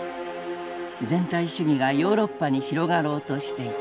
全体主義がヨーロッパに広がろうとしていた。